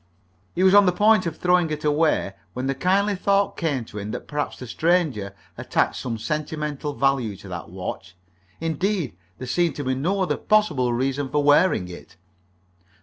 He was on the point of throwing it away when the kindly thought came to him that perhaps the stranger attached some sentimental value to that watch; indeed, there seemed to be no other possible reason for wearing it.